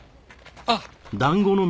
あっ。